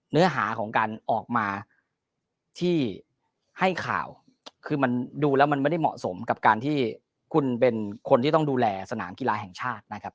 เนื้อหาของการออกมาที่ให้ข่าวคือมันดูแล้วมันไม่ได้เหมาะสมกับการที่คุณเป็นคนที่ต้องดูแลสนามกีฬาแห่งชาตินะครับ